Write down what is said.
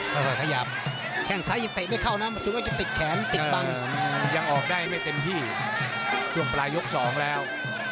ประสุนร้อยจะติดแขนติดบังจึงออกยังออกได้ไม่เต็มที่จุดปลายยก๒แล้ว